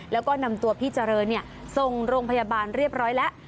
แล้วก็นำตัวพี่เจริญส่งโรงพยาบาลเรียบร้อยแล้ว